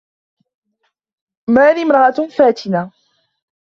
ماري امرأة فاتنة.